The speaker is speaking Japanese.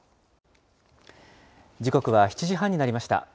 時刻は７時半になりました。